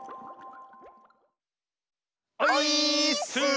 オイーッス！